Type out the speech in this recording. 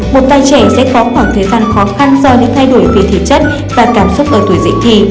một tai trẻ sẽ có khoảng thời gian khó khăn do những thay đổi về thể chất và cảm xúc ở tuổi dạy thi